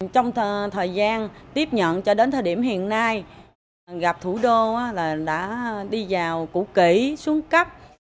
trong thời gian tiếp nhận cho đến thời điểm hiện nay gặp thủ đô đã đi vào củ kỹ xuống cấp